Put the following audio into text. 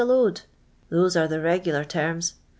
a load.' Those are the regular terms.